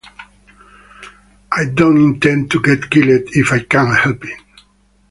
I don’t intend to get killed if I can help it.